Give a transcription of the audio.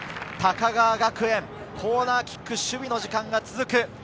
高川学園、コーナーキック、守備の時間が続く。